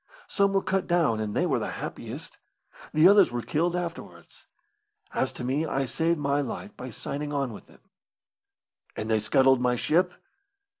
Some were cut down, and they were the happiest. The others were killed afterwards. As to me, I saved my life by signing on with them." "And they scuttled my ship?"